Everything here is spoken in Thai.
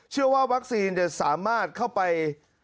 เชื่อว่าวัคซีนจะสามารถเข้าไป